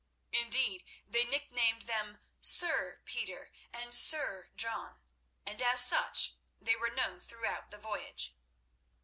Indeed, they nicknamed them Sir Peter and Sir John, and as such they were known throughout the voyage.